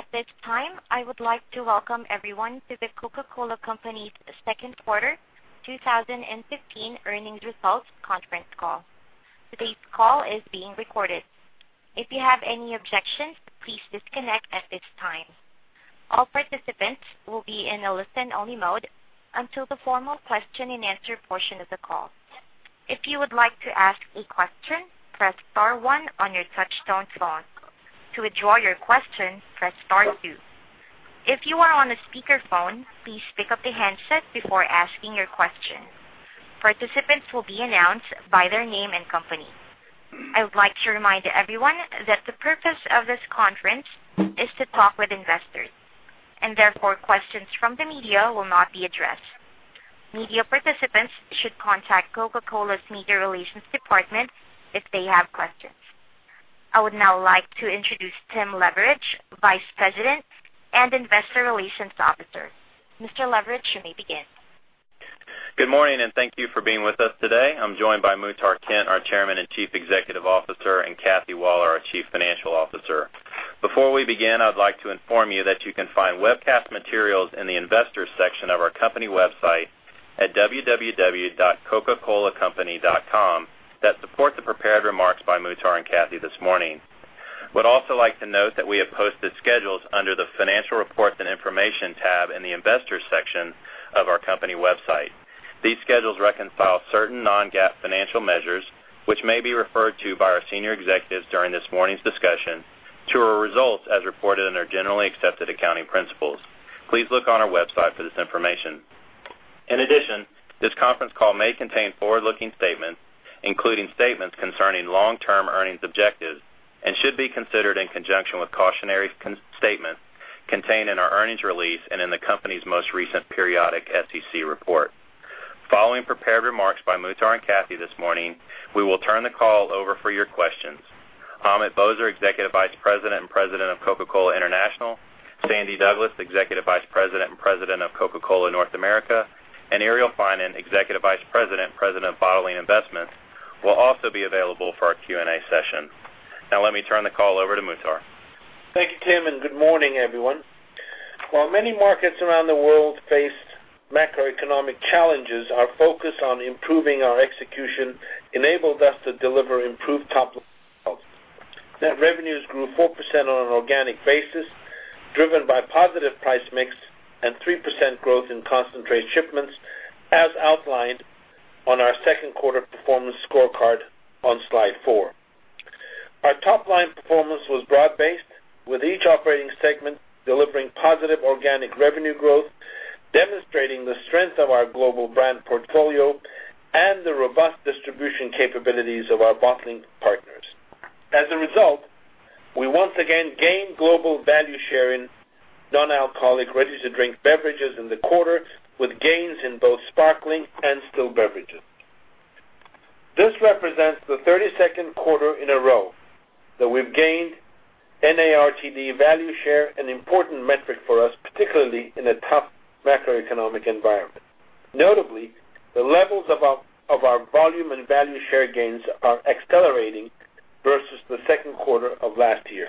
At this time, I would like to welcome everyone to The Coca-Cola Company's second quarter 2015 earnings results conference call. Today's call is being recorded. If you have any objections, please disconnect at this time. All participants will be in a listen-only mode until the formal question and answer portion of the call. If you would like to ask a question, press star one on your touch-tone phone. To withdraw your question, press star two. If you are on a speakerphone, please pick up the handset before asking your question. Participants will be announced by their name and company. I would like to remind everyone that the purpose of this conference is to talk with investors. Therefore, questions from the media will not be addressed. Media participants should contact Coca-Cola's media relations department if they have questions. I would now like to introduce Tim Leveridge, Vice President and Investor Relations Officer. Mr. Leveridge, you may begin. Good morning. Thank you for being with us today. I'm joined by Muhtar Kent, our Chairman and Chief Executive Officer, and Kathy Waller, our Chief Financial Officer. Before we begin, I'd like to inform you that you can find webcast materials in the investors section of our company website at www.coca-colacompany.com that support the prepared remarks by Muhtar and Kathy this morning. Would also like to note that we have posted schedules under the financial reports and information tab in the investors section of our company website. These schedules reconcile certain non-GAAP financial measures, which may be referred to by our senior executives during this morning's discussion to our results as reported in our generally accepted accounting principles. Please look on our website for this information. This conference call may contain forward-looking statements, including statements concerning long-term earnings objectives and should be considered in conjunction with cautionary statements contained in our earnings release and in the company's most recent periodic SEC report. Following prepared remarks by Muhtar and Kathy this morning, we will turn the call over for your questions. Ahmet Bozer, Executive Vice President and President of Coca-Cola International, Sandy Douglas, Executive Vice President and President of Coca-Cola North America, and Irial Finan, Executive Vice President of Bottling Investments, will also be available for our Q&A session. Let me turn the call over to Muhtar. Thank you, Tim, and good morning, everyone. While many markets around the world faced macroeconomic challenges, our focus on improving our execution enabled us to deliver improved top line. Net revenues grew 4% on an organic basis, driven by positive price mix and 3% growth in concentrate shipments, as outlined on our second quarter performance scorecard on slide four. Our top-line performance was broad-based, with each operating segment delivering positive organic revenue growth, demonstrating the strength of our global brand portfolio and the robust distribution capabilities of our bottling partners. As a result, we once again gained global value share in non-alcoholic ready-to-drink beverages in the quarter, with gains in both sparkling and still beverages. This represents the 32nd quarter in a row that we've gained NARTD value share, an important metric for us, particularly in a tough macroeconomic environment. Notably, the levels of our volume and value share gains are accelerating versus the second quarter of last year.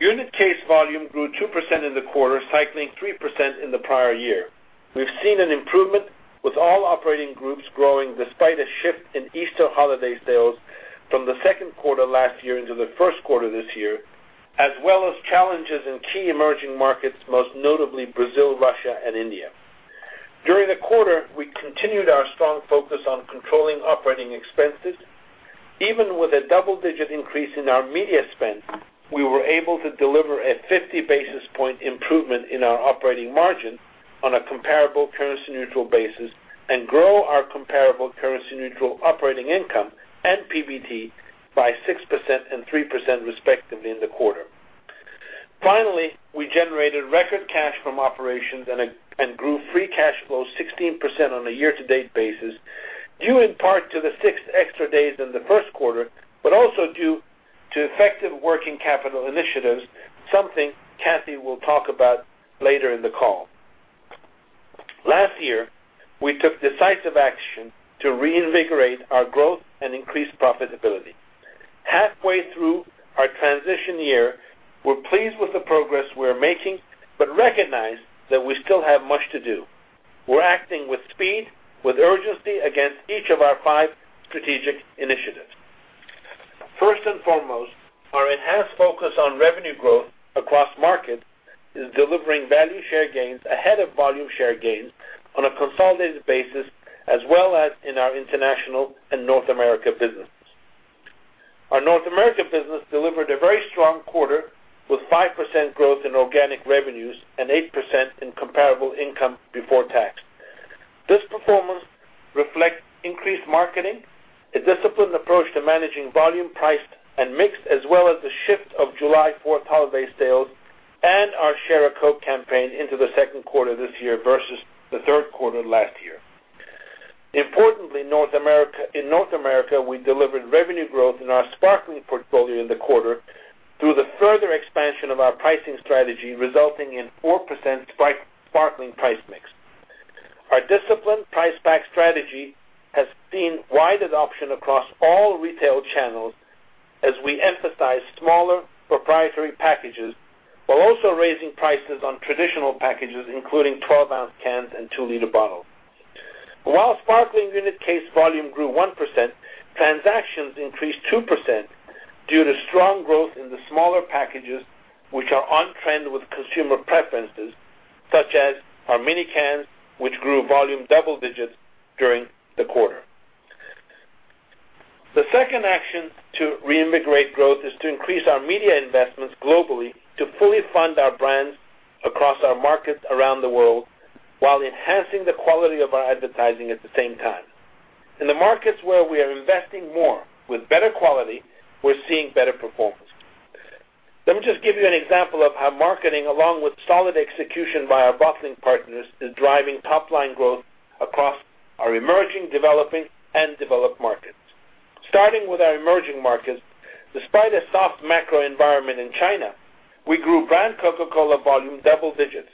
Unit case volume grew 2% in the quarter, cycling 3% in the prior year. We've seen an improvement, with all operating groups growing despite a shift in Easter holiday sales from the second quarter last year into the first quarter this year, as well as challenges in key emerging markets, most notably Brazil, Russia, and India. During the quarter, we continued our strong focus on controlling operating expenses. Even with a double-digit increase in our media spend, we were able to deliver a 50-basis point improvement in our operating margin on a comparable currency-neutral basis and grow our comparable currency-neutral operating income and PBT by 6% and 3% respectively in the quarter. Finally, we generated record cash from operations and grew free cash flow 16% on a year-to-date basis, due in part to the six extra days in the first quarter, but also due to effective working capital initiatives, something Kathy will talk about later in the call. Last year, we took decisive action to reinvigorate our growth and increase profitability. Halfway through our transition year, we're pleased with the progress we're making but recognize that we still have much to do. We're acting with speed, with urgency against each of our five strategic initiatives. First and foremost, our enhanced focus on revenue growth across markets is delivering value share gains ahead of volume share gains on a consolidated basis, as well as in our international and North America businesses. Our North America business delivered a very strong quarter, with 5% growth in organic revenues and 8% in comparable income before tax. This performance reflects increased marketing, a disciplined approach to managing volume, price, and mix, as well as the shift of July 4th holiday sales and our Share a Coke campaign into the second quarter this year versus the third quarter last year. Importantly, in North America, we delivered revenue growth in our sparkling portfolio in the quarter through the further expansion of our pricing strategy, resulting in 4% sparkling price mix. Our disciplined price pack strategy has seen wide adoption across all retail channels as we emphasize smaller proprietary packages, while also raising prices on traditional packages, including 12-ounce cans and two-liter bottles. While sparkling unit case volume grew 1%, transactions increased 2% due to strong growth in the smaller packages, which are on trend with consumer preferences, such as our mini cans, which grew volume double digits during the quarter. The second action to reinvigorate growth is to increase our media investments globally to fully fund our brands across our markets around the world, while enhancing the quality of our advertising at the same time. In the markets where we are investing more with better quality, we're seeing better performance. Let me just give you an example of how marketing, along with solid execution by our bottling partners, is driving top-line growth across our emerging, developing, and developed markets. Starting with our emerging markets, despite a soft macro environment in China, we grew Brand Coke volume double digits.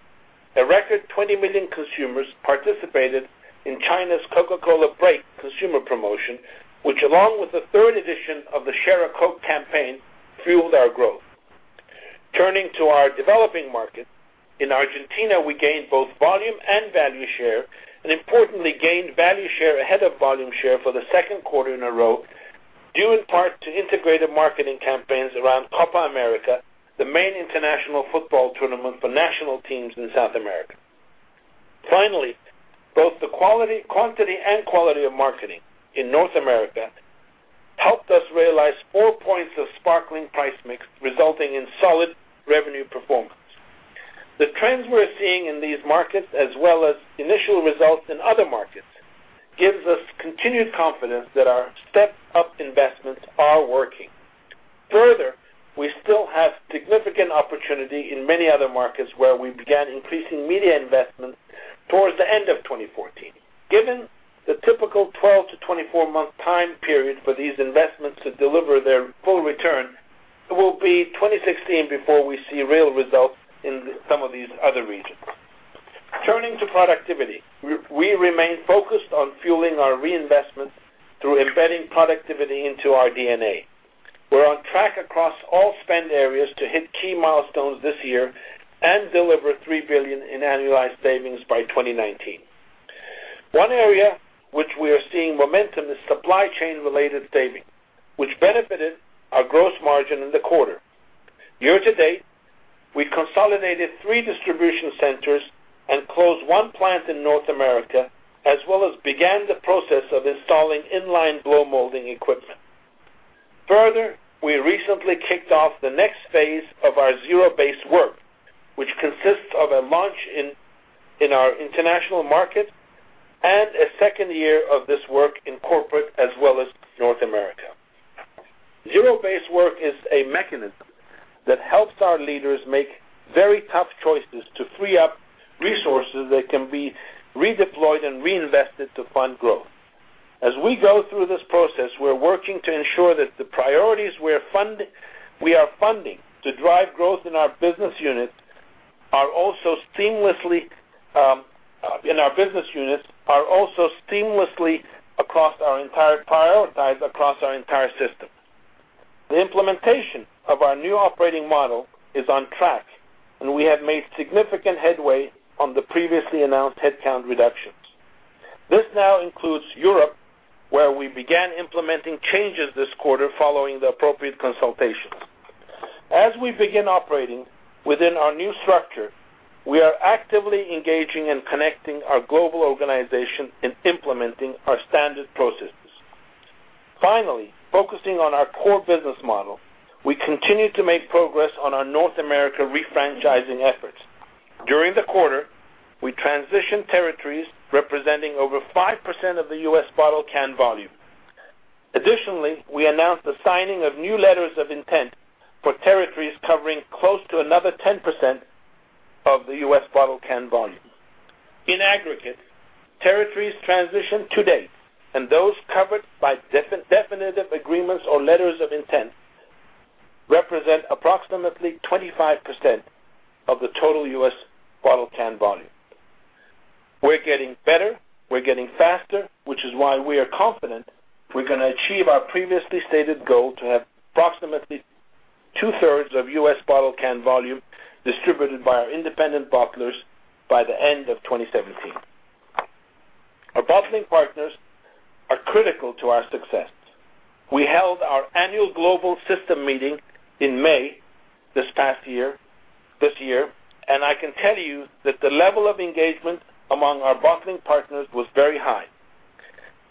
A record 20 million consumers participated in China's Coca-Cola Break consumer promotion, which, along with the third edition of the Share a Coke campaign, fueled our growth. Turning to our developing markets, in Argentina, we gained both volume and value share and importantly gained value share ahead of volume share for the second quarter in a row, due in part to integrated marketing campaigns around Copa América, the main international football tournament for national teams in South America. Both the quantity and quality of marketing in North America helped us realize four points of sparkling price mix, resulting in solid revenue performance. The trends we're seeing in these markets, as well as initial results in other markets, gives us continued confidence that our stepped-up investments are working. We still have significant opportunity in many other markets where we began increasing media investment towards the end of 2014. Given the typical 12 to 24-month time period for these investments to deliver their full return, it will be 2016 before we see real results in some of these other regions. Turning to productivity, we remain focused on fueling our reinvestments through embedding productivity into our DNA. We're on track across all spend areas to hit key milestones this year and deliver $3 billion in annualized savings by 2019. One area which we are seeing momentum is supply chain-related savings, which benefited our gross margin in the quarter. Year to date, we consolidated three distribution centers and closed one plant in North America, as well as began the process of installing in-line blow-molding equipment. We recently kicked off the next phase of our zero-based work, which consists of a launch in our international markets and a second year of this work in corporate as well as North America. Zero-based work is a mechanism that helps our leaders make very tough choices to free up resources that can be redeployed and reinvested to fund growth. As we go through this process, we're working to ensure that the priorities we are funding to drive growth in our business units are also seamlessly prioritized across our entire system. The implementation of our new operating model is on track, and we have made significant headway on the previously announced headcount reductions. This now includes Europe, where we began implementing changes this quarter following the appropriate consultations. As we begin operating within our new structure, we are actively engaging and connecting our global organization in implementing our standard processes. Focusing on our core business model, we continue to make progress on our North America re-franchising efforts. During the quarter, we transitioned territories representing over 5% of the U.S. bottle-can volume. Additionally, we announced the signing of new letters of intent for territories covering close to another 10% of the U.S. bottle-can volume. In aggregate, territories transitioned to date, and those covered by definitive agreements or letters of intent, represent approximately 25% of the total U.S. bottle-can volume. We're getting better, we're getting faster, which is why we are confident we're going to achieve our previously stated goal to have approximately two-thirds of U.S. bottle-can volume distributed by our independent bottlers by the end of 2017. Our bottling partners are critical to our success. We held our annual global system meeting in May this year, and I can tell you that the level of engagement among our bottling partners was very high.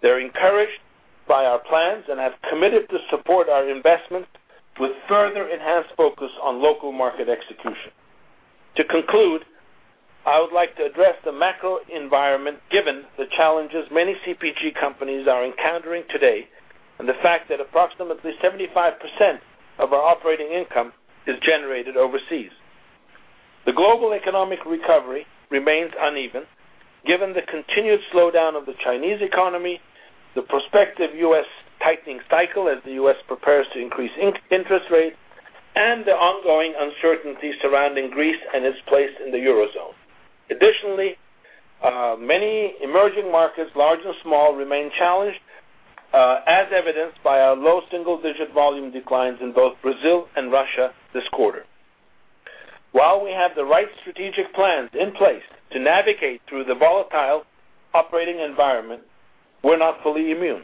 They're encouraged by our plans and have committed to support our investment with further enhanced focus on local market execution. To conclude, I would like to address the macro environment given the challenges many CPG companies are encountering today and the fact that approximately 75% of our operating income is generated overseas. The global economic recovery remains uneven, given the continued slowdown of the Chinese economy, the prospective U.S. tightening cycle as the U.S. prepares to increase interest rates and the ongoing uncertainty surrounding Greece and its place in the Eurozone. Additionally, many emerging markets, large and small, remain challenged, as evidenced by our low single-digit volume declines in both Brazil and Russia this quarter. While we have the right strategic plans in place to navigate through the volatile operating environment, we're not fully immune.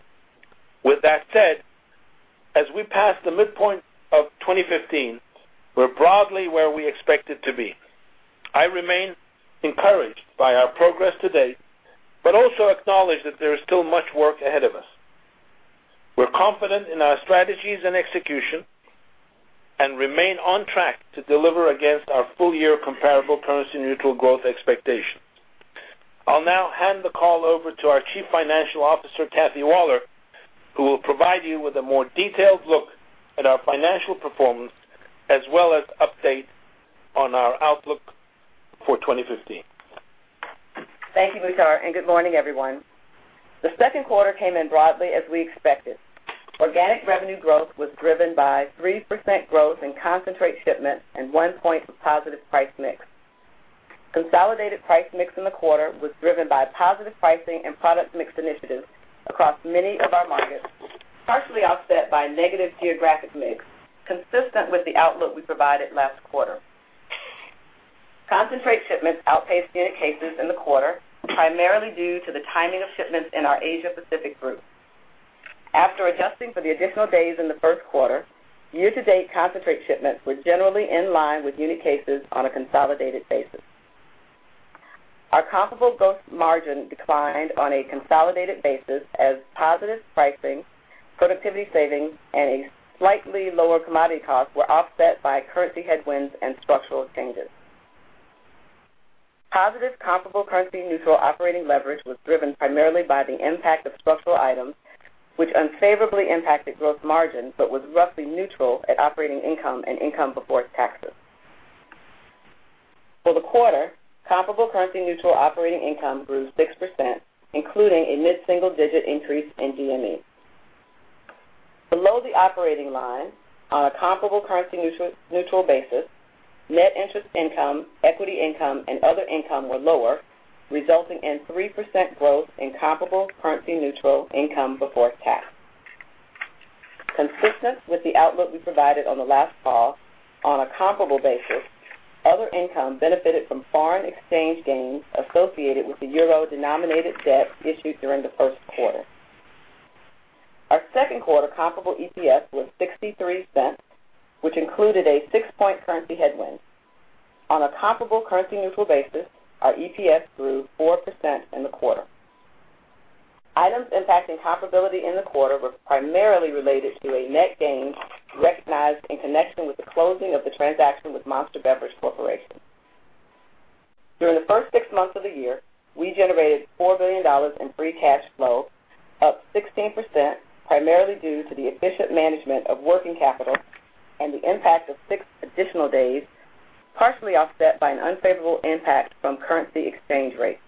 With that said, as we pass the midpoint of 2015, we're broadly where we expected to be. I remain encouraged by our progress to date, but also acknowledge that there is still much work ahead of us. We're confident in our strategies and execution and remain on track to deliver against our full-year comparable currency-neutral growth expectations. I'll now hand the call over to our Chief Financial Officer, Kathy Waller, who will provide you with a more detailed look at our financial performance, as well as update on our outlook for 2015. Thank you, Muhtar, and good morning, everyone. The second quarter came in broadly as we expected. Organic revenue growth was driven by 3% growth in concentrate shipments and one point of positive price mix. Consolidated price mix in the quarter was driven by positive pricing and product mix initiatives across many of our markets, partially offset by negative geographic mix, consistent with the outlook we provided last quarter. Concentrate shipments outpaced unit cases in the quarter, primarily due to the timing of shipments in our Asia Pacific group. After adjusting for the additional days in the first quarter, year-to-date concentrate shipments were generally in line with unit cases on a consolidated basis. Our comparable gross margin declined on a consolidated basis as positive pricing, productivity savings, and slightly lower commodity costs were offset by currency headwinds and structural changes. Positive comparable currency-neutral operating leverage was driven primarily by the impact of structural items, which unfavorably impacted gross margin but was roughly neutral at operating income and income before taxes. For the quarter, comparable currency-neutral operating income grew 6%, including a mid-single-digit increase in DME. Below the operating line, on a comparable currency-neutral basis, net interest income, equity income, and other income were lower, resulting in 3% growth in comparable currency-neutral income before tax. Consistent with the outlook we provided on the last call, on a comparable basis, other income benefited from foreign exchange gains associated with the euro-denominated debt issued during the first quarter. Our second quarter comparable EPS was $0.63, which included a six-point currency headwind. On a comparable currency-neutral basis, our EPS grew 4% in the quarter. Items impacting comparability in the quarter were primarily related to a net gain recognized in connection with the closing of the transaction with Monster Beverage Corporation. During the first six months of the year, we generated $4 billion in free cash flow, up 16%, primarily due to the efficient management of working capital and the impact of six additional days, partially offset by an unfavorable impact from currency exchange rates.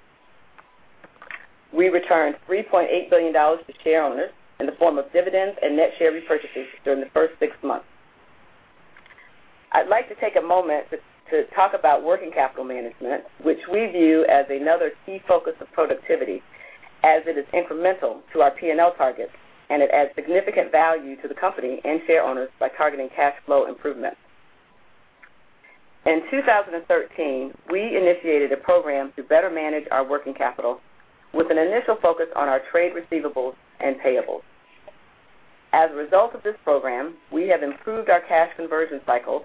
We returned $3.8 billion to shareowners in the form of dividends and net share repurchases during the first six months. I'd like to take a moment to talk about working capital management, which we view as another key focus of productivity as it is incremental to our P&L targets. It adds significant value to the company and shareowners by targeting cash flow improvement. In 2013, we initiated a program to better manage our working capital with an initial focus on our trade receivables and payables. As a result of this program, we have improved our cash conversion cycle,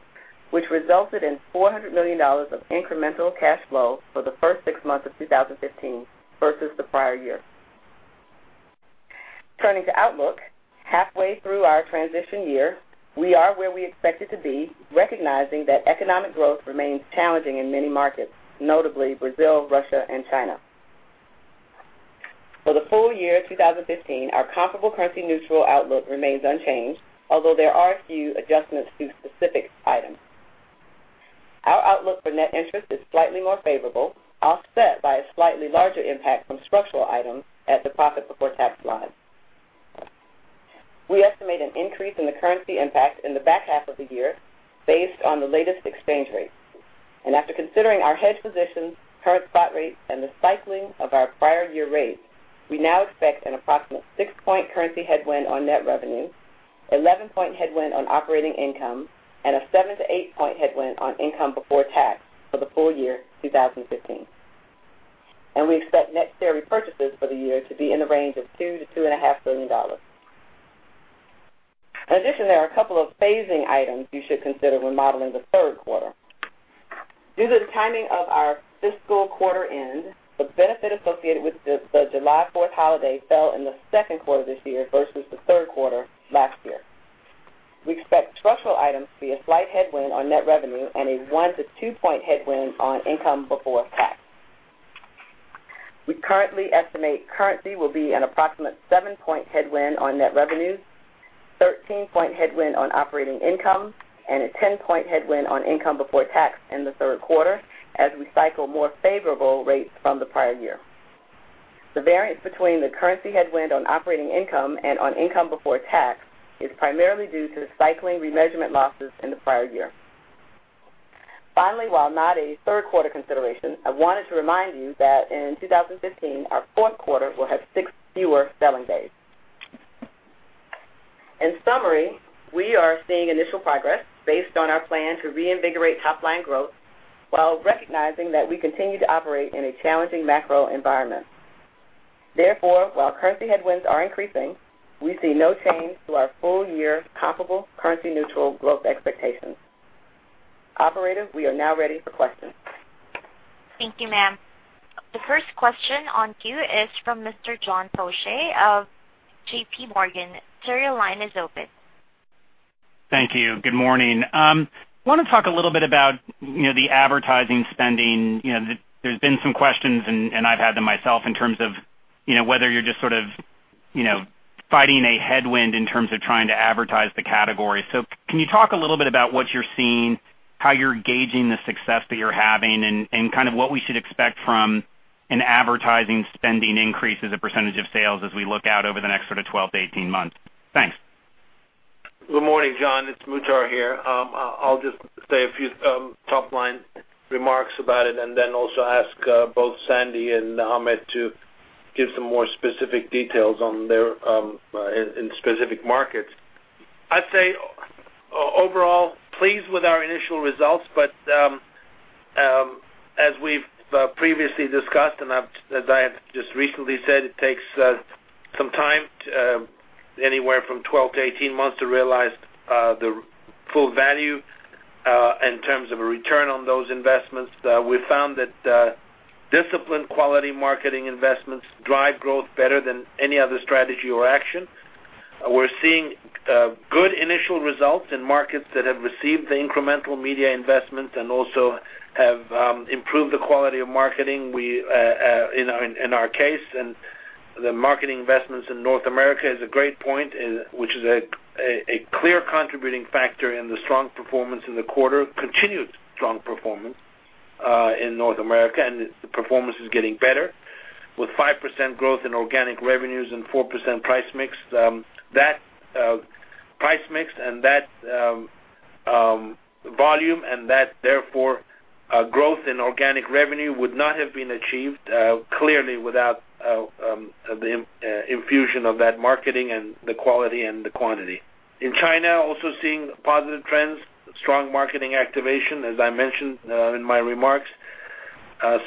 which resulted in $400 million of incremental cash flow for the first six months of 2015 versus the prior year. Turning to outlook, halfway through our transition year, we are where we expected to be, recognizing that economic growth remains challenging in many markets, notably Brazil, Russia, and China. For the full year 2015, our comparable currency-neutral outlook remains unchanged, although there are a few adjustments to specific items. Our outlook for net interest is slightly more favorable, offset by a slightly larger impact from structural items at the profit before tax line. We estimate an increase in the currency impact in the back half of the year based on the latest exchange rates. After considering our hedge positions, current spot rates, and the cycling of our prior year rates, we now expect an approximate six-point currency headwind on net revenue, 11-point headwind on operating income, and a seven- to eight-point headwind on income before tax for the full year 2015. We expect net share repurchases for the year to be in the range of $2 billion-$2.5 billion. In addition, there are a couple of phasing items you should consider when modeling the third quarter. Due to the timing of our fiscal quarter end, the benefit associated with the July 4th holiday fell in the second quarter this year versus the third quarter last year. We expect structural items to be a slight headwind on net revenue and a one- to two-point headwind on income before tax. We currently estimate currency will be an approximate seven-point headwind on net revenue, 13-point headwind on operating income, and a 10-point headwind on income before tax in the third quarter as we cycle more favorable rates from the prior year. The variance between the currency headwind on operating income and on income before tax is primarily due to the cycling remeasurement losses in the prior year. Finally, while not a third quarter consideration, I wanted to remind you that in 2015, our fourth quarter will have six fewer selling days. In summary, we are seeing initial progress based on our plan to reinvigorate top-line growth while recognizing that we continue to operate in a challenging macro environment. Therefore, while currency headwinds are increasing, we see no change to our full-year comparable currency-neutral growth expectations. Operator, we are now ready for questions. Thank you, ma'am. The first question on queue is from Mr. John Faucher of J.P. Morgan. Sir, your line is open. Thank you. Good morning. I want to talk a little bit about the advertising spending. There's been some questions, and I've had them myself, in terms of whether you're just sort of fighting a headwind in terms of trying to advertise the category. Can you talk a little bit about what you're seeing, how you're gauging the success that you're having, and what we should expect from an advertising spending increase as a percentage of sales as we look out over the next sort of 12 to 18 months? Thanks. Good morning, John. It's Muhtar here. I'll just say a few top-line remarks about it. Then also ask both Sandy and Ahmet to give some more specific details in specific markets. I'd say, overall, pleased with our initial results. As we've previously discussed, and as I have just recently said, it takes some time, anywhere from 12 to 18 months, to realize the full value in terms of a return on those investments. We found that disciplined quality marketing investments drive growth better than any other strategy or action. We're seeing good initial results in markets that have received the incremental media investment and also have improved the quality of marketing in our case. The marketing investments in North America is a great point, which is a clear contributing factor in the strong performance in the quarter, continued strong performance in North America. The performance is getting better, with 5% growth in organic revenues and 4% price mix. That price mix and that volume and that, therefore, growth in organic revenue would not have been achieved clearly without the infusion of that marketing and the quality and the quantity. In China, also seeing positive trends, strong marketing activation, as I mentioned in my remarks.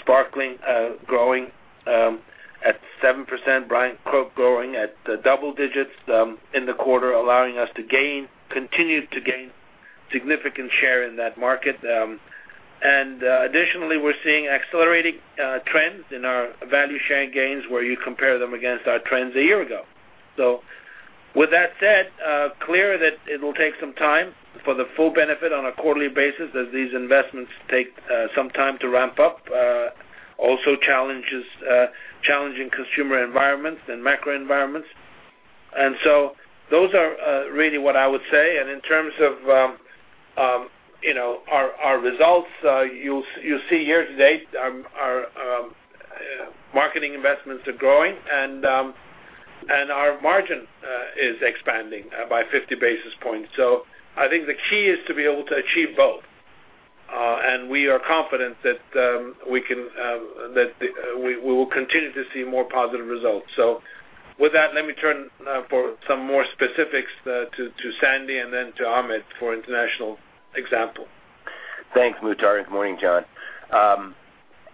Sparkling growing at 7%, Brand Coke growing at double digits in the quarter, allowing us to continue to gain significant share in that market. Additionally, we're seeing accelerating trends in our value share gains where you compare them against our trends a year ago. With that said, clear that it'll take some time for the full benefit on a quarterly basis as these investments take some time to ramp up. Also challenging consumer environments and macro environments. Those are really what I would say. In terms of our results, you'll see here today our marketing investments are growing, and our margin is expanding by 50 basis points. I think the key is to be able to achieve both. We are confident that we will continue to see more positive results. With that, let me turn now for some more specifics to Sandy and then to Ahmet for international example. Thanks, Muhtar. Good morning, John.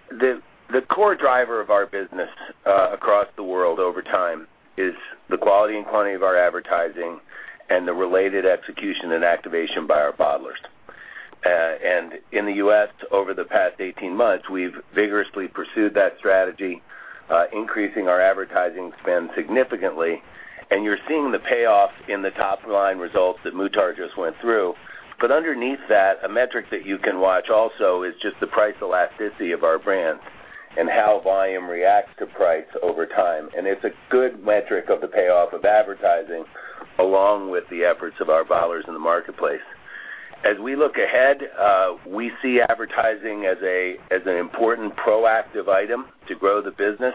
The core driver of our business across the world over time is the quality and quantity of our advertising and the related execution and activation by our bottlers. In the U.S., over the past 18 months, we've vigorously pursued that strategy, increasing our advertising spend significantly. You're seeing the payoff in the top-line results that Muhtar just went through. Underneath that, a metric that you can watch also is just the price elasticity of our brands and how volume reacts to price over time. It's a good metric of the payoff of advertising, along with the efforts of our bottlers in the marketplace. As we look ahead, we see advertising as an important proactive item to grow the business.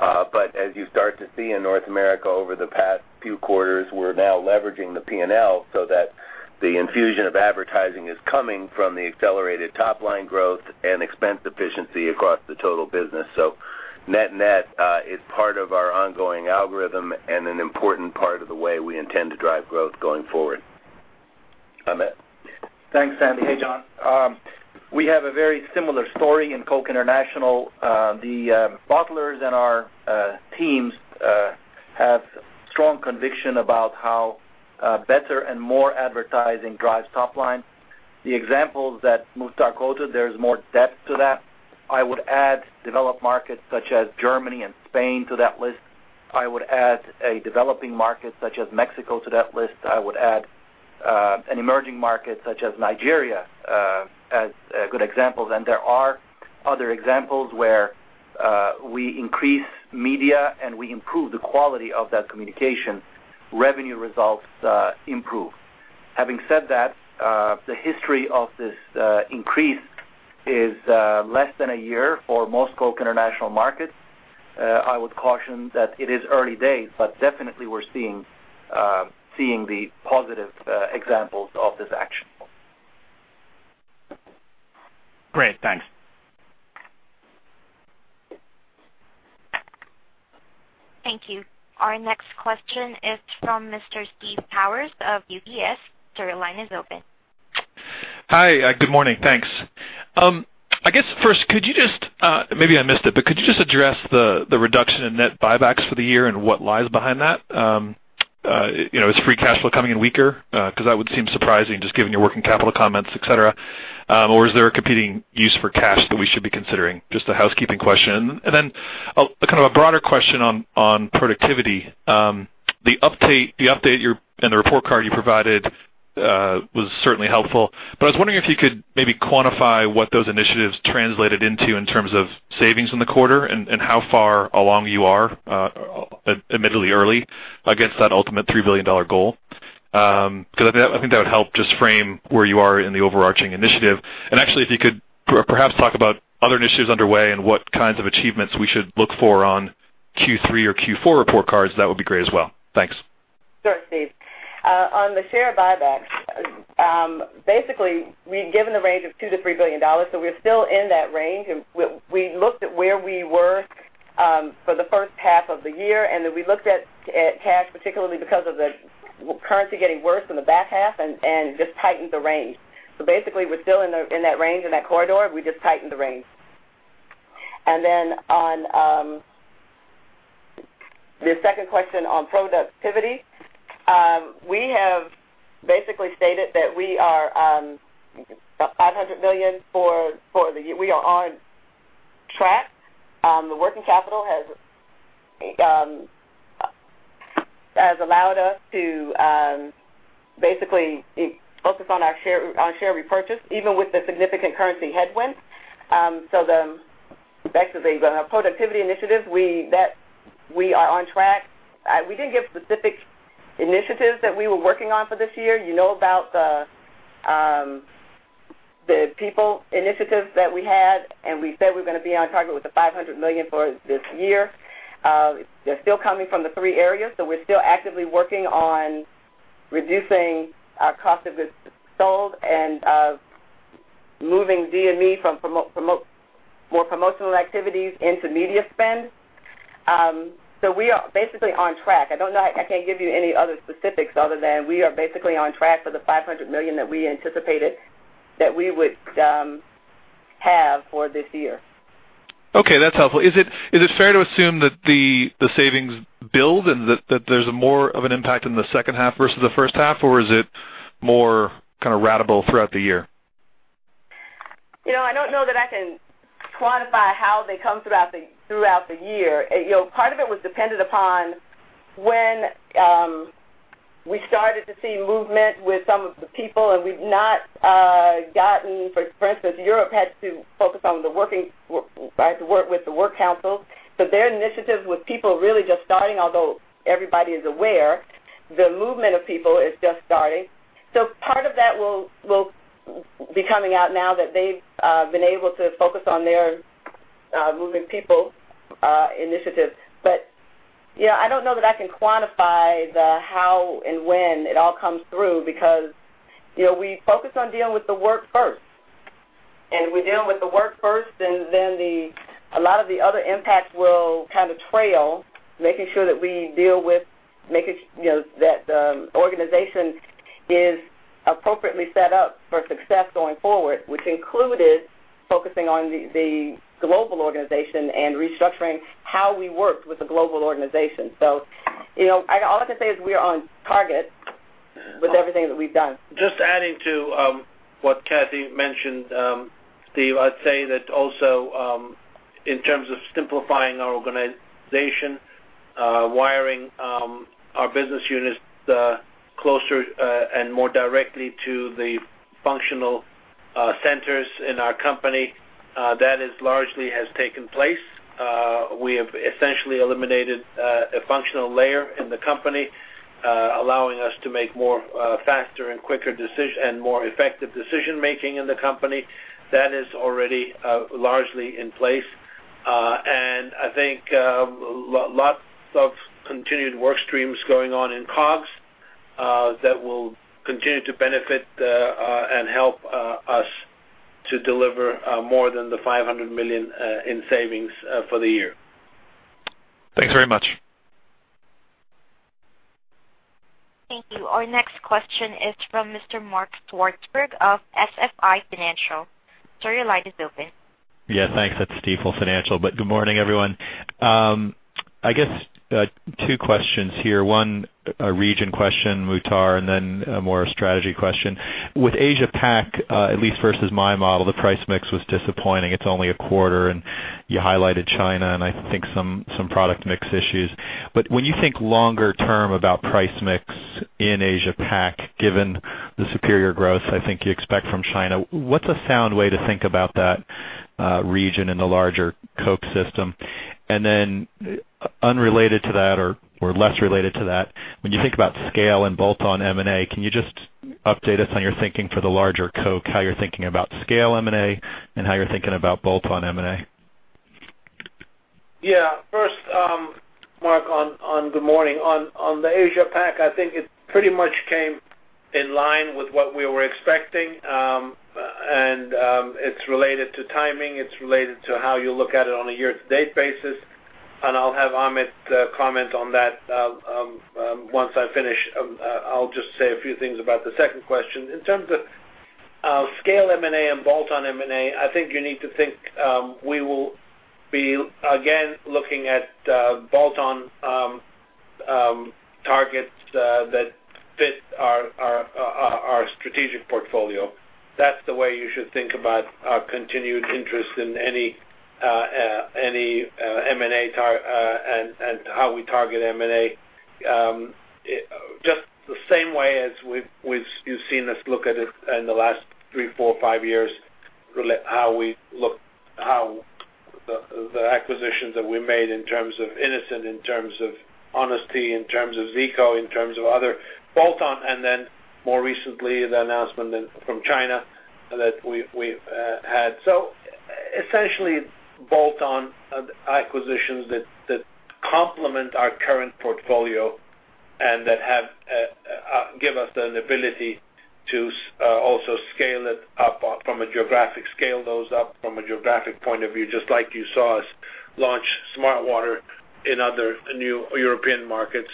As you start to see in North America over the past few quarters, we're now leveraging the P&L so that the infusion of advertising is coming from the accelerated top-line growth and expense efficiency across the total business. Net-net, it's part of our ongoing algorithm and an important part of the way we intend to drive growth going forward. Ahmet. Thanks, Sandy. Hey, John. We have a very similar story in Coca-Cola International. The bottlers and our teams have strong conviction about how better and more advertising drives top line. The examples that Muhtar quoted, there's more depth to that. I would add developed markets such as Germany and Spain to that list. I would add a developing market such as Mexico to that list. I would add an emerging market such as Nigeria as good examples. And there are other examples where we increase media and we improve the quality of that communication, revenue results improve. Having said that, the history of this increase is less than one year for most Coke international markets. I would caution that it is early days, but definitely we're seeing the positive examples of this action. Great. Thanks. Thank you. Our next question is from Mr. Steve Powers of UBS. Sir, your line is open. Hi. Good morning. Thanks. I guess first, maybe I missed it, could you just address the reduction in net buybacks for the year and what lies behind that? Is free cash flow coming in weaker? That would seem surprising just given your working capital comments, et cetera. Is there a competing use for cash that we should be considering? Just a housekeeping question. Then, kind of a broader question on productivity. The update and the report card you provided was certainly helpful, I was wondering if you could maybe quantify what those initiatives translated into in terms of savings in the quarter and how far along you are, admittedly early, against that ultimate $3 billion goal. I think that would help just frame where you are in the overarching initiative. Actually, if you could perhaps talk about other initiatives underway and what kinds of achievements we should look for on Q3 or Q4 report cards, that would be great as well. Thanks. Sure, Steve. On the share buybacks, basically, we've given a range of $2 billion-$3 billion, we're still in that range. We looked at where we were for the first half of the year, then we looked at cash, particularly because of the currency getting worse in the back half and just tightened the range. Basically, we're still in that range, in that corridor. We just tightened the range. Then on the second question on productivity, we have basically stated that we are $500 million for the year. We are on track. The working capital has allowed us to basically focus on our share repurchase, even with the significant currency headwinds. The productivity initiatives, we are on track. We didn't give specific initiatives that we were working on for this year. You know about the people initiatives that we had, we said we're going to be on target with the $500 million for this year. They're still coming from the three areas, we're still actively working on reducing our cost of goods sold and moving DME from more promotional activities into media spend. We are basically on track. I can't give you any other specifics other than we are basically on track for the $500 million that we anticipated that we would have for this year. Okay, that's helpful. Is it fair to assume that the savings build and that there's more of an impact in the second half versus the first half, or is it more kind of ratable throughout the year? I don't know that I can quantify how they come throughout the year. Part of it was dependent upon when we started to see movement with some of the people, for instance, Europe had to focus on the work with the work council. Their initiatives with people really just starting, although everybody is aware, the movement of people is just starting. Part of that will be coming out now that they've been able to focus on their moving people initiatives. I don't know that I can quantify the how and when it all comes through because we focus on dealing with the work first. We're dealing with the work first, a lot of the other impacts will kind of trail, making sure that the organization is appropriately set up for success going forward, which included focusing on the global organization and restructuring how we worked with the global organization. All I can say is we're on target with everything that we've done. Just adding to what Kathy mentioned, Steve, I'd say that also in terms of simplifying our organization, wiring our business units closer and more directly to the functional centers in our company, that largely has taken place. We have essentially eliminated a functional layer in the company, allowing us to make more faster and quicker and more effective decision-making in the company. That is already largely in place. I think lots of continued work streams going on in COGS that will continue to benefit and help us to deliver more than the $500 million in savings for the year. Thanks very much. Thank you. Our next question is from Mr. Mark Swartzberg of Stifel Financial. Sir, your line is open. Thanks. It's Steve, Stifel Financial. Good morning, everyone. I guess two questions here. One, a region question, Muhtar, and then more a strategy question. With Asia-PAC, at least versus my model, the price mix was disappointing. It's only a quarter, and you highlighted China and I think some product mix issues. When you think longer term about price mix in Asia-PAC, given the superior growth I think you expect from China, what's a sound way to think about that region in the larger Coke system? Unrelated to that, or less related to that, when you think about scale and bolt-on M&A, can you just update us on your thinking for the larger Coke, how you're thinking about scale M&A, and how you're thinking about bolt-on M&A. First, Mark, good morning. On the Asia-PAC, I think it pretty much came in line with what we were expecting, and it's related to timing, it's related to how you look at it on a year-to-date basis. I'll have Ahmet comment on that once I finish. I'll just say a few things about the second question. In terms of scale M&A and bolt-on M&A, I think you need to think we will be, again, looking at bolt-on targets that fit our strategic portfolio. That's the way you should think about our continued interest in any M&A and how we target M&A. Just the same way as you've seen us look at it in the last three, four, five years, how the acquisitions that we made in terms of innocent, in terms of Honest Tea, in terms of ZICO, in terms of other bolt-on, and then more recently, the announcement from China that we've had. Essentially, bolt-on acquisitions that complement our current portfolio and that give us an ability to also scale those up from a geographic point of view, just like you saw us launch smartwater in other new European markets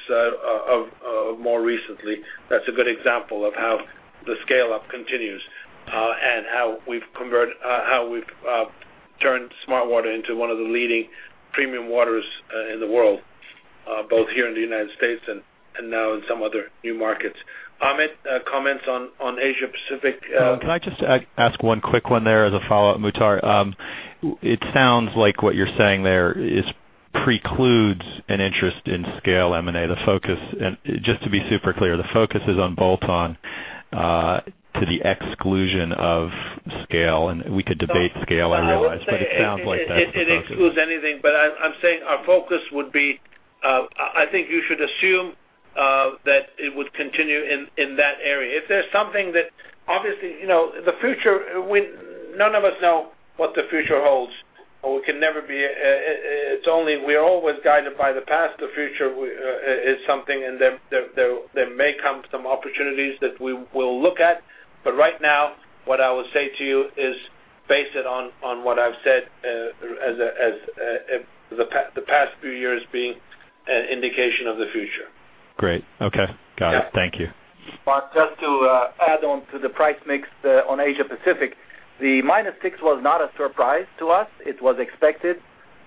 more recently. That's a good example of how the scale-up continues, and how we've turned smartwater into one of the leading premium waters in the world, both here in the U.S. and now in some other new markets. Ahmet, comments on Asia Pacific- Can I just ask one quick one there as a follow-up, Muhtar? It sounds like what you're saying there, it precludes an interest in scale M&A. To be super clear, the focus is on bolt-on to the exclusion of scale, and we could debate scale, I realize, but it sounds like that's the focus. I wouldn't say it includes anything, but I'm saying our focus would be. I think you should assume that it would continue in that area. If there's something that. Obviously, none of us know what the future holds. We're always guided by the past. The future is something, and there may come some opportunities that we will look at. Right now, what I will say to you is base it on what I've said, the past few years being an indication of the future. Great. Okay. Got it. Thank you. Mark, just to add on to the price mix on Asia Pacific, the minus six was not a surprise to us. It was expected,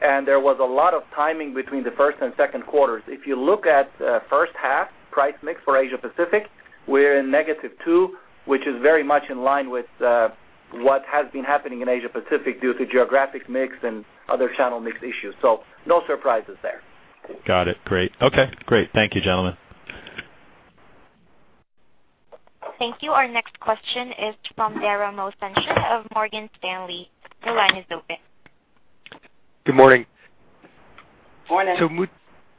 and there was a lot of timing between the first and second quarters. If you look at first half price mix for Asia Pacific, we're in negative two, which is very much in line with what has been happening in Asia Pacific due to geographic mix and other channel mix issues. No surprises there. Got it. Great. Okay, great. Thank you, gentlemen. Thank you. Our next question is from Dara Mohsenian of Morgan Stanley. Your line is open. Good morning. Morning.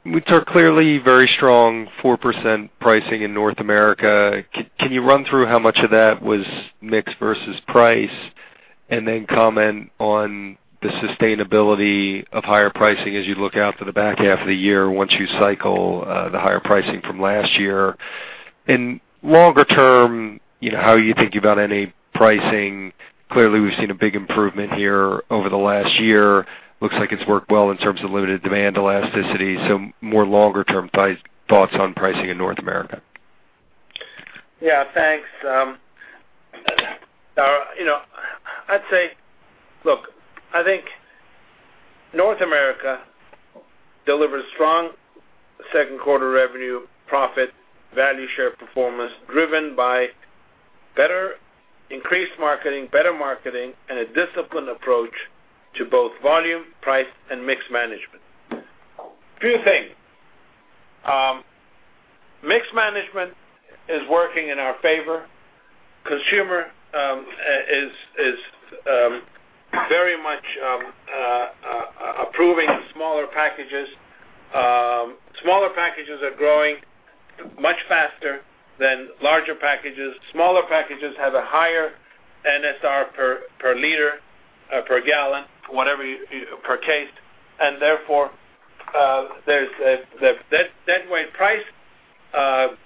Muhtar, clearly very strong 4% pricing in North America. Can you run through how much of that was mix versus price? Comment on the sustainability of higher pricing as you look out to the back half of the year once you cycle the higher pricing from last year. Longer term, how are you thinking about any pricing? Clearly, we've seen a big improvement here over the last year. Looks like it's worked well in terms of limited demand elasticity, more longer-term thoughts on pricing in North America. Thanks, Dara. North America delivers strong second quarter revenue, profit, value share performance driven by increased marketing, better marketing, and a disciplined approach to both volume, price, and mix management. Few things. Mix management is working in our favor. Consumer is very much approving smaller packages. Smaller packages are growing much faster than larger packages. Smaller packages have a higher NSR per liter, per gallon, per case. Therefore, the net weight price and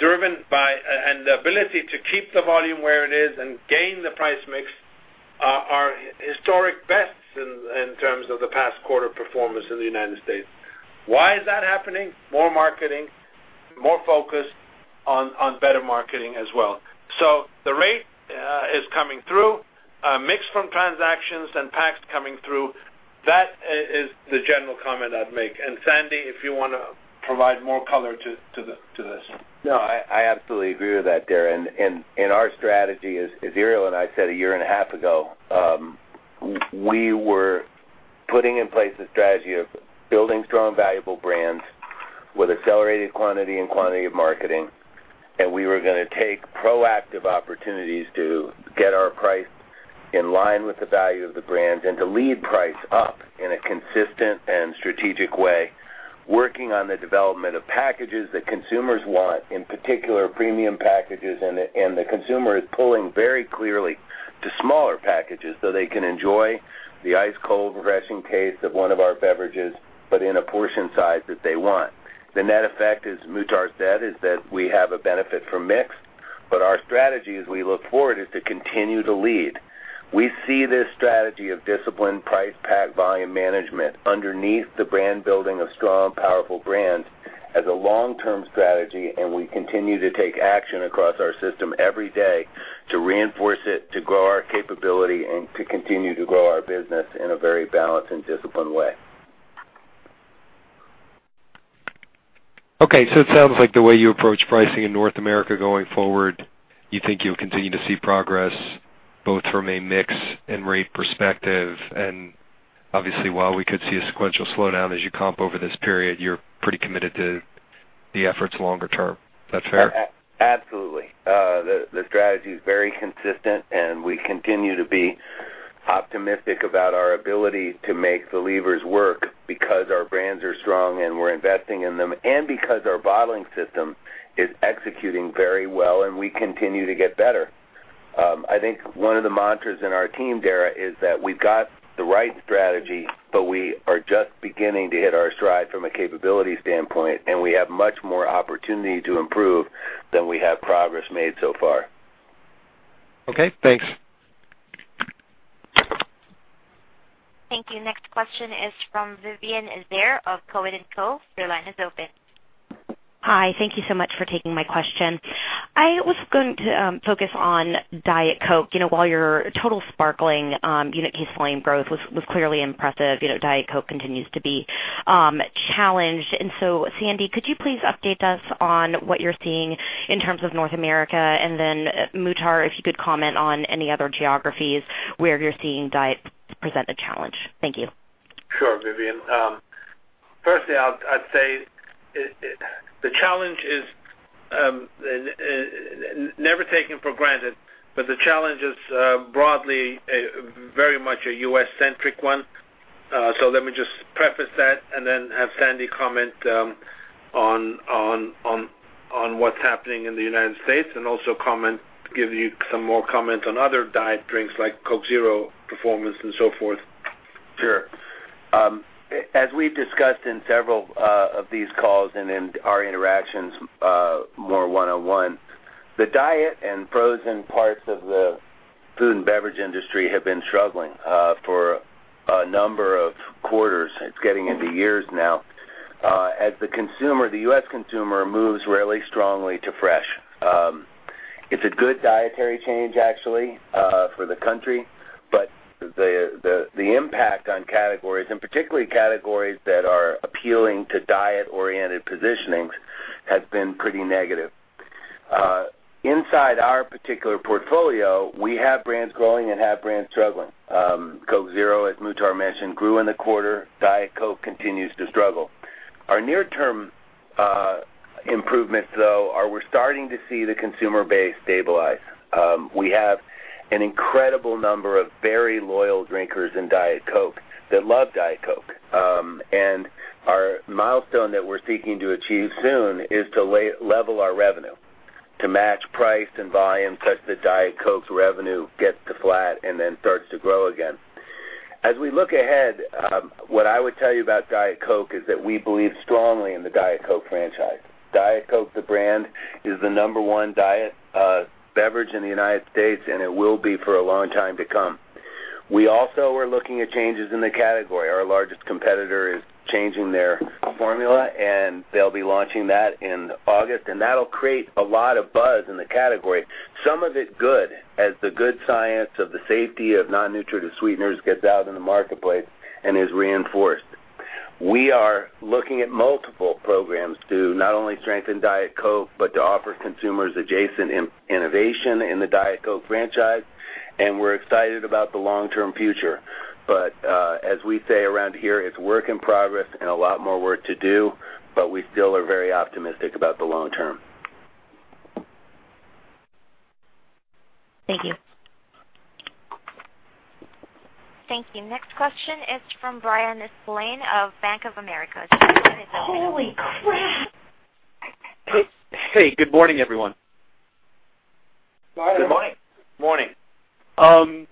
the ability to keep the volume where it is and gain the price mix are historic bests in terms of the past quarter performance in the U.S. Why is that happening? More marketing, more focus on better marketing as well. The rate is coming through. Mix from transactions and packs coming through. That is the general comment I'd make. Sandy, if you want to provide more color to this. I absolutely agree with that, Dara. Our strategy, as Irial and I said a year and a half ago, we were putting in place a strategy of building strong, valuable brands with accelerated quantity and quantity of marketing, and we were going to take proactive opportunities to get our price in line with the value of the brand and to lead price up in a consistent and strategic way, working on the development of packages that consumers want, in particular premium packages. The consumer is pulling very clearly to smaller packages, so they can enjoy the ice-cold, refreshing taste of one of our beverages, but in a portion size that they want. The net effect, as Muhtar said, is that we have a benefit from mix. Our strategy as we look forward is to continue to lead. We see this strategy of disciplined price pack volume management underneath the brand building of strong, powerful brands as a long-term strategy, we continue to take action across our system every day to reinforce it, to grow our capability, and to continue to grow our business in a very balanced and disciplined way. Okay, it sounds like the way you approach pricing in North America going forward, you think you will continue to see progress both from a mix and rate perspective. Obviously, while we could see a sequential slowdown as you comp over this period, you are pretty committed to the efforts longer term. That fair? Absolutely. The strategy is very consistent, and we continue to be optimistic about our ability to make the levers work because our brands are strong and we are investing in them, and because our bottling system is executing very well, and we continue to get better. I think one of the mantras in our team, Dara, is that we have got the right strategy, but we are just beginning to hit our stride from a capability standpoint, and we have much more opportunity to improve than we have progress made so far. Okay, thanks. Thank you. Next question is from Vivien Azer of Cowen and Company. Your line is open. Hi. Thank you so much for taking my question. I was going to focus on Diet Coke. While your total sparkling unit case volume growth was clearly impressive, Diet Coke continues to be challenged. Sandy, could you please update us on what you're seeing in terms of Coca-Cola North America? Muhtar, if you could comment on any other geographies where you're seeing Diet present a challenge. Thank you. Sure, Vivien Azer. Firstly, I'd say the challenge is never taken for granted, but the challenge is broadly very much a U.S.-centric one. Let me just preface that and then have Sandy comment on what's happening in the United States, and also give you some more comment on other diet drinks like Coke Zero performance and so forth. Sure. As we've discussed in several of these calls and in our interactions more one-on-one, the diet and frozen parts of the food and beverage industry have been struggling for a number of quarters. It's getting into years now. As the consumer, the U.S. consumer, moves really strongly to fresh. It's a good dietary change, actually, for the country. The impact on categories, and particularly categories that are appealing to diet-oriented positionings, has been pretty negative. Inside our particular portfolio, we have brands growing and have brands struggling. Coke Zero, as Muhtar mentioned, grew in the quarter. Diet Coke continues to struggle. Our near-term improvements, though, are we're starting to see the consumer base stabilize. We have an incredible number of very loyal drinkers in Diet Coke that love Diet Coke. Our milestone that we're seeking to achieve soon is to level our revenue to match price and volume such that Diet Coke's revenue gets to flat and then starts to grow again. As we look ahead, what I would tell you about Diet Coke is that we believe strongly in the Diet Coke franchise. Diet Coke, the brand, is the number one diet beverage in the United States, and it will be for a long time to come. We also are looking at changes in the category. Our largest competitor is changing their formula, and they'll be launching that in August, and that'll create a lot of buzz in the category. Some of it good, as the good science of the safety of non-nutritive sweeteners gets out in the marketplace and is reinforced. We are looking at multiple programs to not only strengthen Diet Coke, but to offer consumers adjacent innovation in the Diet Coke franchise. We're excited about the long-term future. As we say around here, it's work in progress and a lot more work to do. We still are very optimistic about the long term. Thank you. Thank you. Next question is from Bryan Spillane of Bank of America. Holy crap. Hey, good morning, everyone. Good morning. Morning.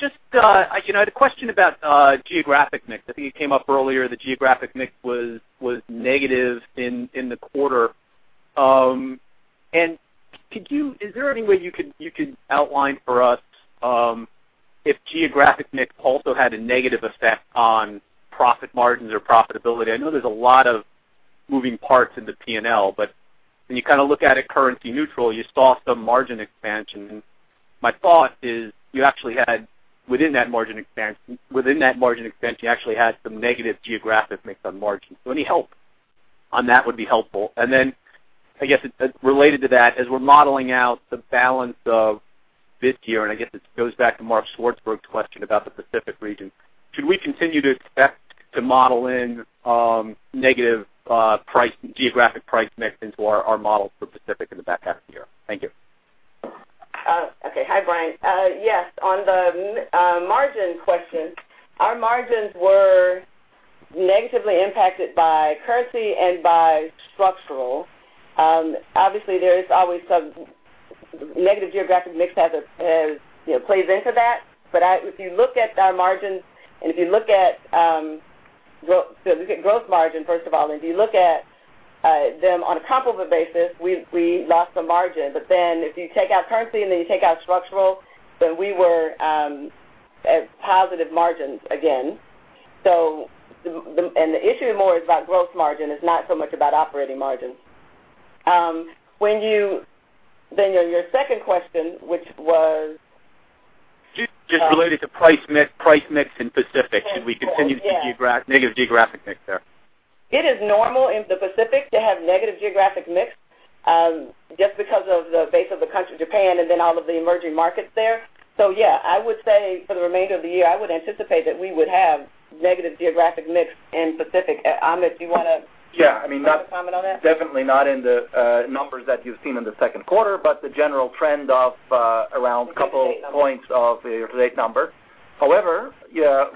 Just, I had a question about geographic mix. I think it came up earlier that geographic mix was negative in the quarter. Is there any way you could outline for us if geographic mix also had a negative effect on profit margins or profitability? I know there's a lot of moving parts in the P&L, but when you look at it currency neutral, you saw some margin expansion. My thought is, within that margin expansion, you actually had some negative geographic mix on margins. Any help on that would be helpful. I guess related to that, as we're modeling out the balance of this year, and I guess it goes back to Mark Swartzberg's question about the Pacific region, should we continue to expect to model in negative geographic price mix into our model for Pacific in the back half of the year. Thank you. Okay. Hi, Bryan. Yes, on the margin question, our margins were negatively impacted by currency and by structural. Obviously, there is always some negative geographic mix plays into that. If you look at our margins, and if you look at gross margin, first of all, and if you look at them on a comparable basis, we lost the margin. If you take out currency and then you take out structural, then we were at positive margins again. The issue more is about gross margin, it's not so much about operating margins. Your second question, which was Just related to price mix in Pacific. Should we continue to see negative geographic mix there? It is normal in the Pacific to have negative geographic mix, just because of the base of the country, Japan, and then all of the emerging markets there. Yeah, I would say for the remainder of the year, I would anticipate that we would have negative geographic mix in Pacific. Ahmet, do you want to- Yeah, I mean- comment on that? Definitely not in the numbers that you've seen in the second quarter, but the general trend of around couple points of your today's number. However,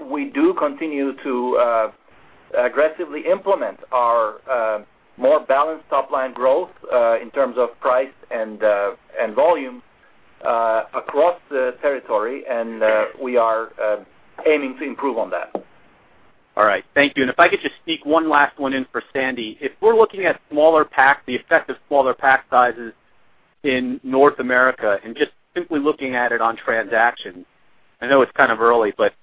we do continue to aggressively implement our more balanced top-line growth, in terms of price and volume, across the territory. We are aiming to improve on that. All right. Thank you. If I could just sneak one last one in for Sandy. If we're looking at the effect of smaller pack sizes in North America, and just simply looking at it on transactions, I know it's kind of early, but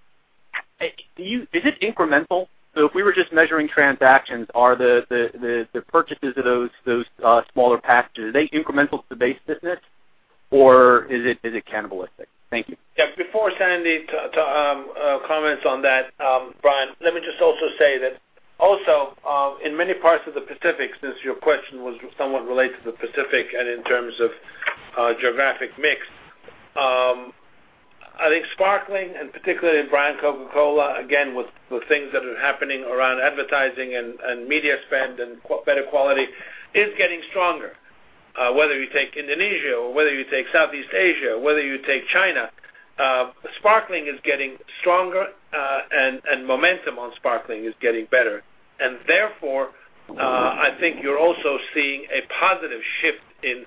is it incremental? If we were just measuring transactions, are the purchases of those smaller packages, are they incremental to base business or is it cannibalistic? Thank you. Yeah. Before Sandy comments on that, Bryan, let me just also say that also, in many parts of the Pacific, since your question was somewhat related to the Pacific and in terms of geographic mix. I think sparkling and particularly brand Coca-Cola, again, with things that are happening around advertising and media spend and better quality, is getting stronger. Whether you take Indonesia or whether you take Southeast Asia, whether you take China, sparkling is getting stronger, and momentum on sparkling is getting better. Therefore, I think you're also seeing a positive shift in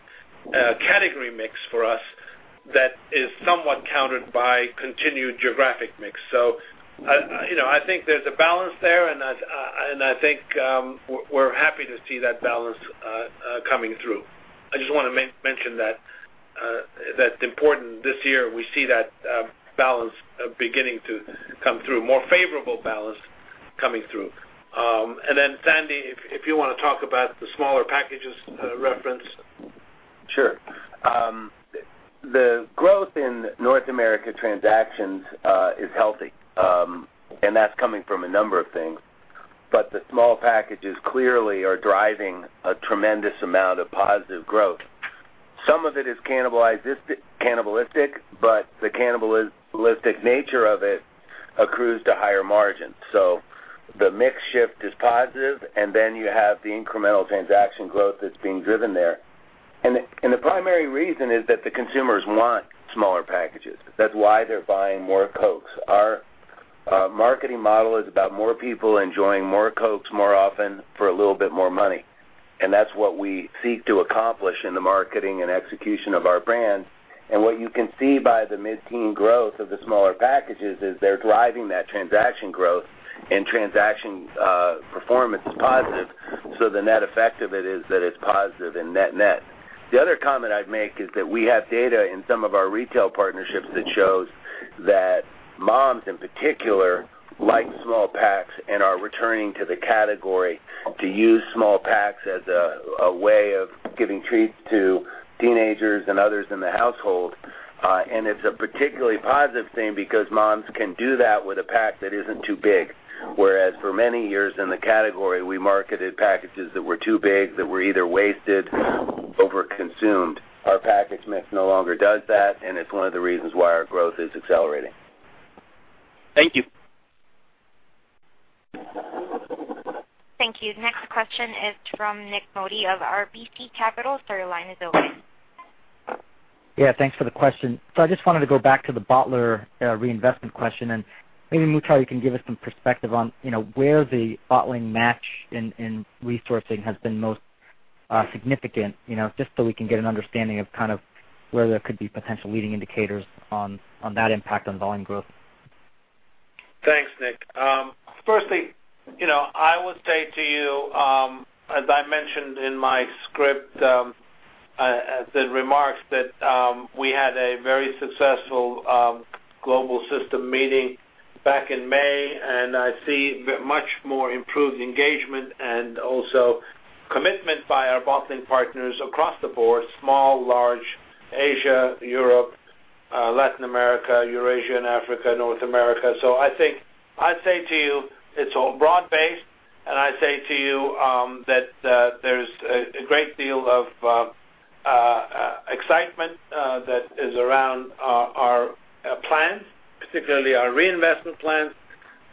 category mix for us that is somewhat countered by continued geographic mix. I think there's a balance there, and I think we're happy to see that balance coming through. I just want to mention that it's important this year we see that balance beginning to come through. More favorable balance coming through. Sandy, if you want to talk about the smaller packages reference. Sure. The growth in Coca-Cola North America transactions is healthy. That's coming from a number of things. The small packages clearly are driving a tremendous amount of positive growth. Some of it is cannibalistic, but the cannibalistic nature of it accrues to higher margin. The mix shift is positive, and then you have the incremental transaction growth that's being driven there. The primary reason is that the consumers want smaller packages. That's why they're buying more Cokes. Our marketing model is about more people enjoying more Cokes more often for a little bit more money. That's what we seek to accomplish in the marketing and execution of our brand. What you can see by the mid-teen growth of the smaller packages is they're driving that transaction growth and transaction performance positive. The net effect of it is that it's positive in net-net. The other comment I'd make is that we have data in some of our retail partnerships that shows that moms, in particular, like small packs and are returning to the category to use small packs as a way of giving treats to teenagers and others in the household. It's a particularly positive thing because moms can do that with a pack that isn't too big. Whereas for many years in the category, we marketed packages that were too big, that were either wasted, over-consumed. Our package mix no longer does that, and it's one of the reasons why our growth is accelerating. Thank you. Thank you. Next question is from Nik Modi of RBC Capital. Sir, your line is open. I just wanted to go back to the bottler reinvestment question, and maybe, Muhtar, you can give us some perspective on where the bottling match in resourcing has been most significant. Just so we can get an understanding of kind of where there could be potential leading indicators on that impact on volume growth. Thanks, Nik. Firstly, I would say to you, as I mentioned in my script, the remarks that we had a very successful global system meeting back in May, and I see much more improved engagement and also commitment by our bottling partners across the board, small, large, Asia, Europe, Latin America, Eurasia, and Africa, North America. I think I'd say to you, it's broad-based, and I'd say to you that there's a great deal of excitement that is around our plans, particularly our reinvestment plans,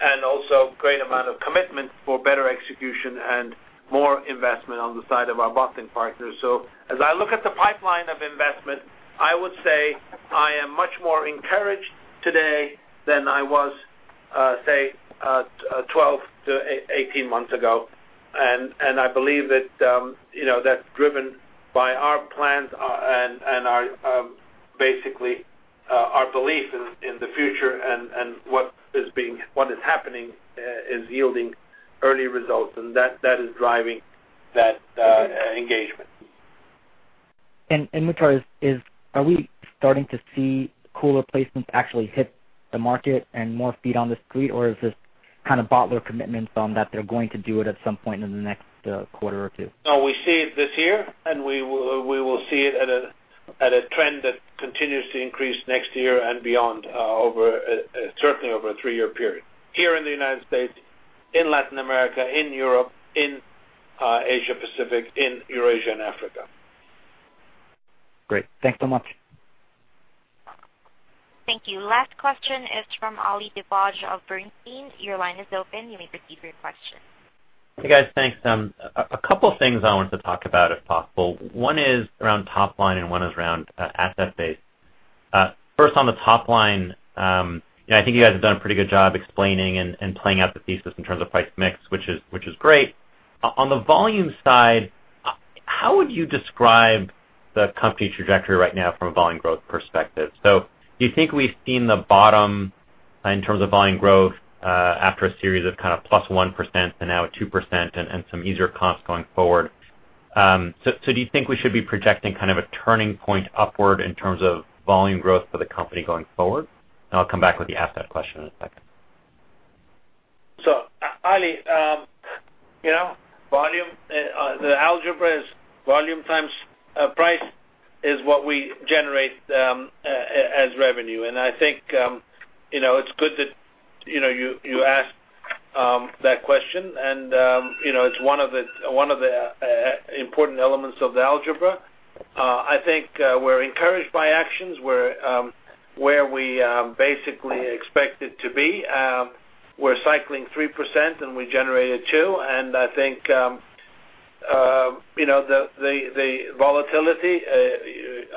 and also great amount of commitment for better execution and more investment on the side of our bottling partners. As I look at the pipeline of investment, I would say I am much more encouraged today than I was, say, 12 to 18 months ago. I believe that's driven by our plans and basically our belief in the future and what is happening is yielding early results, and that is driving that engagement. Muhtar, are we starting to see cooler placements actually hit the market and more feet on the street, or is this kind of bottler commitments on that they're going to do it at some point in the next quarter or two? No, we see it this year, and we will see it at a trend that continues to increase next year and beyond, certainly over a three-year period. Here in the U.S., in Latin America, in Europe, in Asia Pacific, in Eurasia, and Africa. Great. Thanks so much. Thank you. Last question is from Ali Dibadj of Bernstein. Your line is open. You may proceed with your question. Hey, guys. Thanks. A couple things I wanted to talk about if possible. One is around top line and one is around asset base. First, on the top line, I think you guys have done a pretty good job explaining and playing out the thesis in terms of price mix, which is great. On the volume side, how would you describe the company trajectory right now from a volume growth perspective? Do you think we've seen the bottom in terms of volume growth after a series of kind of plus 1% and now at 2% and some easier comps going forward? Do you think we should be projecting kind of a turning point upward in terms of volume growth for the company going forward? I'll come back with the asset question in a second. Ali, the algebra is volume times price is what we generate as revenue. I think it's good that you asked that question, and it's one of the important elements of the algebra. I think we're encouraged by actions where we basically expect it to be. We're cycling 3% and we generated 2%, and I think the volatility,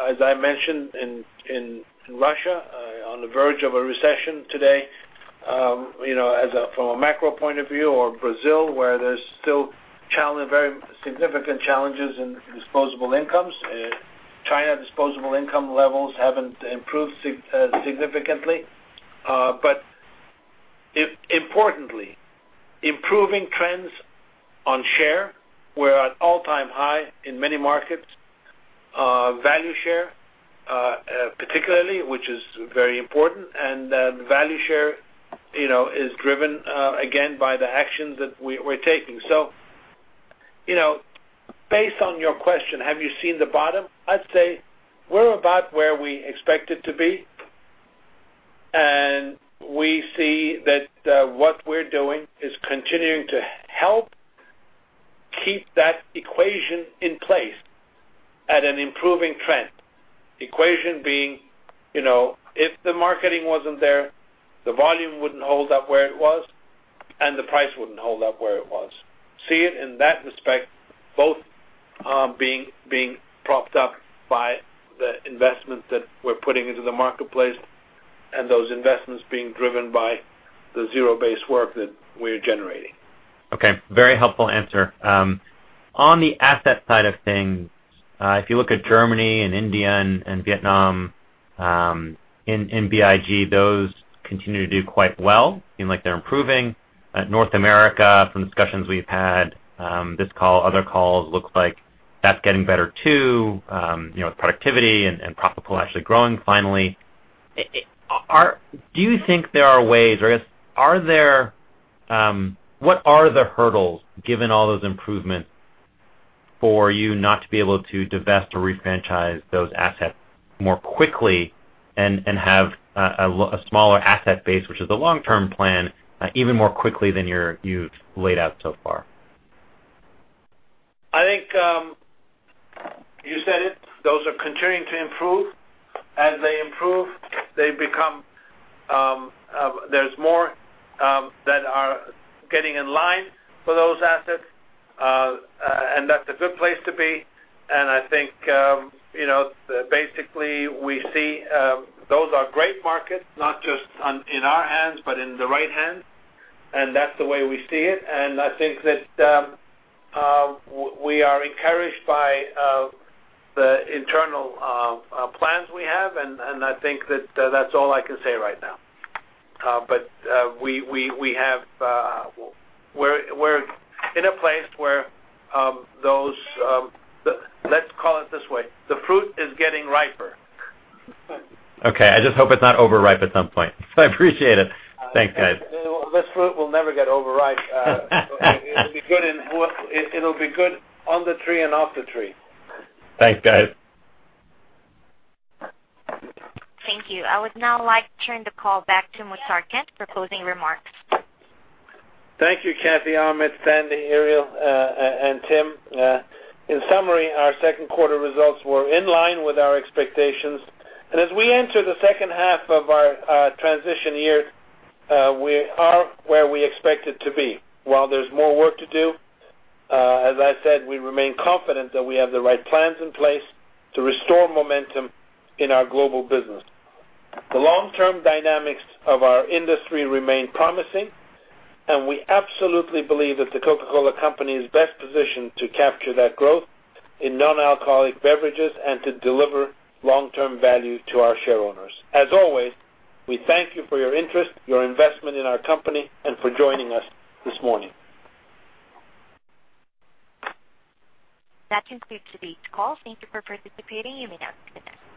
as I mentioned in Russia, on the verge of a recession today from a macro point of view, or Brazil, where there's still very significant challenges in disposable incomes. China disposable income levels haven't improved significantly. Importantly, improving trends on share were at all-time high in many markets. Value share, particularly, which is very important. Value share is driven, again, by the actions that we're taking. Based on your question, have you seen the bottom? I'd say we're about where we expected to be. We see that what we're doing is continuing to help keep that equation in place at an improving trend. Equation being, if the marketing wasn't there, the volume wouldn't hold up where it was, and the price wouldn't hold up where it was. See it in that respect, both being propped up by the investment that we're putting into the marketplace and those investments being driven by the zero-based work that we're generating. Very helpful answer. On the asset side of things, if you look at Germany and India and Vietnam in BIG, those continue to do quite well, seem like they're improving. North America, from discussions we've had, this call, other calls, looks like that's getting better too, with productivity and profitable actually growing finally. What are the hurdles, given all those improvements, for you not to be able to divest or refranchise those assets more quickly and have a smaller asset base, which is a long-term plan, even more quickly than you've laid out so far? I think you said it. Those are continuing to improve. As they improve, there's more that are getting in line for those assets. That's a good place to be. I think basically we see those are great markets, not just in our hands, but in the right hands. That's the way we see it. I think that we are encouraged by the internal plans we have, and I think that's all I can say right now. We're in a place where Let's call it this way. The fruit is getting riper. Okay. I just hope it's not overripe at some point. I appreciate it. Thanks, guys. This fruit will never get overripe. It'll be good on the tree and off the tree. Thanks, guys. Thank you. I would now like to turn the call back to Muhtar Kent for closing remarks. Thank you, Kathy, Ahmet, Sandy, Irial, and Tim. In summary, our second quarter results were in line with our expectations. As we enter the second half of our transition year, we are where we expected to be. While there's more work to do, as I said, we remain confident that we have the right plans in place to restore momentum in our global business. The long-term dynamics of our industry remain promising. We absolutely believe that The Coca-Cola Company is best positioned to capture that growth in non-alcoholic beverages and to deliver long-term value to our shareowners. As always, we thank you for your interest, your investment in our company, and for joining us this morning. That concludes today's call. Thank you for participating. You may now disconnect.